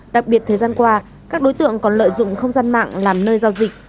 đặc biệt thời gian qua các đối tượng còn lợi dụng không gian mạng làm nơi giao dịch